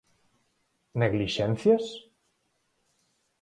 Neglixencias?